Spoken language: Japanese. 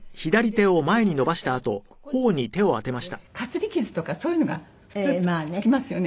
こうなったらここにかすり傷とかそういうのが普通つきますよね？